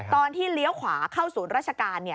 เลี้ยวขวาเข้าศูนย์ราชการ